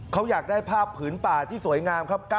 เขาอยากได้ภาพผืนป่าที่สวยงามครับ